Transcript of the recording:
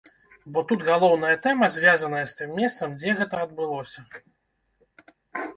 Бо тут галоўная тэма звязаная з тым месцам, дзе гэта адбылося.